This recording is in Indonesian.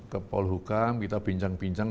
ke polhukam kita bincang bincang